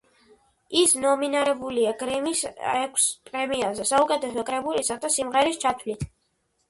ის ნომინირებულია გრემის ექვს პრემიაზე საუკეთესო კრებულისა და სიმღერის ჩათვლით.